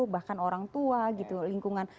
bahkan orang tua gitu lingkungan